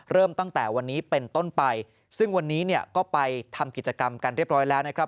เริ่มตั้งแต่วันนี้เป็นต้นไปซึ่งวันนี้เนี่ยก็ไปทำกิจกรรมกันเรียบร้อยแล้วนะครับ